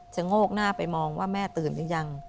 โงกหน้าไปมองว่าแม่ตื่นหรือยัง